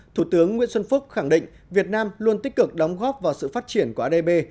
thủ tướng nguyễn xuân phúc khẳng định việt nam luôn tích cực đóng góp vào sự phát triển của adb